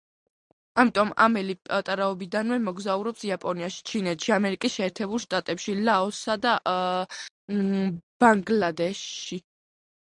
ამიტომ ამელი პატარაობიდანვე მოგზაურობს იაპონიაში, ჩინეთში, ამერიკის შეერთებულ შტატებში, ლაოსსა და ბანგლადეშში.